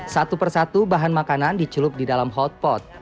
satu persatu bahan makanan dicelup di dalam hotpot